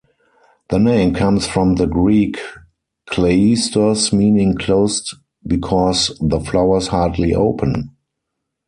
The name comes from the Greek "kleistos" meaning closed because the flowers hardly open.